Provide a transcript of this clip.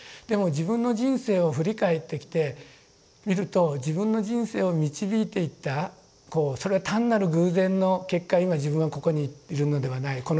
でも自分の人生を振り返ってきてみると自分の人生を導いていったそれは単なる偶然の結果今自分はここにいるのではない。